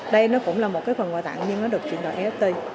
đây nó cũng là một cái phần quà tặng nhưng nó được chuyển đổi ft